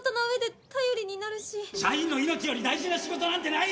社員の命より大事な仕事なんてない！